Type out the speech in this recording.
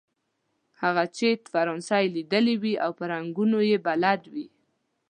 هغه چې فرانسه یې ليدلې وي او په رنګونو يې بلد وي.